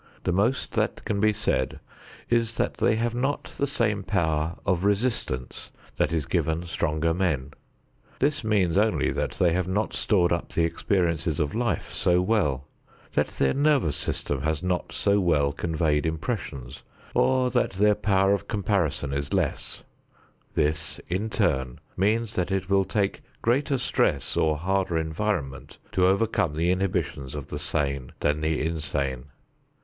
The most that can be said is that they have not the same power of resistance that is given stronger men. This means only that they have not stored up the experiences of life so well; that their nervous system has not so well conveyed impressions, or that their power of comparison is less; this, in turn, means that it will take greater stress or harder environment to overcome the inhibitions of the sane than the insane.